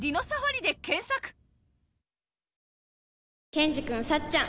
ケンジくんさっちゃん